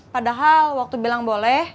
padahal waktu bilang boleh